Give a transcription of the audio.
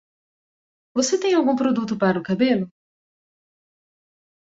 Você tem algum produto para o cabelo?